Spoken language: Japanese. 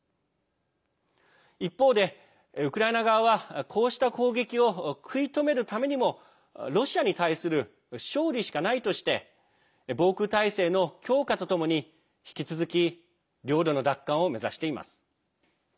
一方で、ウクライナ側はこうした攻撃を食い止めるためにもロシアに対する勝利しかないとして防空体制の強化とともに引き続き領土の奪還を目指しています。